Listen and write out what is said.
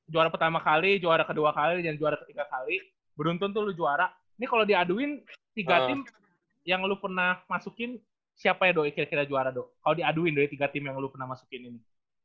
juara pertama kali juara kedua kali dan juara ketiga kali beruntun tuh lu juara ini kalau diaduin tiga tim yang lu pernah masukin siapa ya dok kira kira juara kalau diaduin dari tiga tim yang lu pernah masukin ini